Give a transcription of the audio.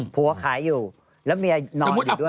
ผัวขายอยู่แล้วเมียนอนอยู่ด้วย